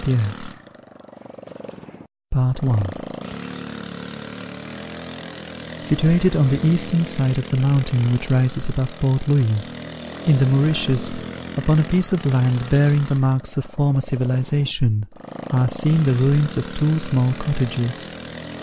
] PAUL AND VIRGINIA Situated on the eastern side of the mountain which rises above Port Louis, in the Mauritius, upon a piece of land bearing the marks of former cultivation, are seen the ruins of two small cottages.